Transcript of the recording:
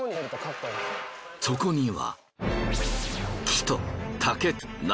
そこには。